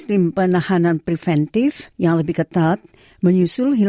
ketua kelompok advokasi utama untuk orang tua dan anak anak mengusulkan